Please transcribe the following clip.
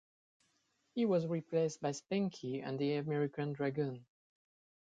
He was replaced by Spanky and The American Dragon.